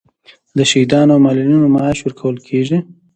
د شهیدانو او معلولینو معاش ورکول کیږي؟